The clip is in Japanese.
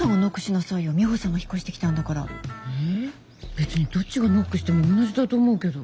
別にどっちがノックしても同じだと思うけど。